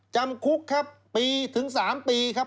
จำคุกครับปีถึง๓ปีครับ